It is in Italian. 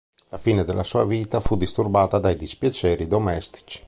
La fine della sua vita fu disturbata dai dispiaceri domestici.